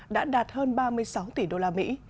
đã đạt hơn ba mươi sáu tỷ đô la mỹ